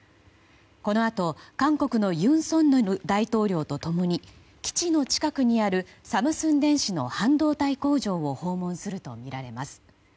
このあと韓国の尹錫悦大統領と共に基地の近くにあるサムスン電子の半導体工場を訪問するとみられます。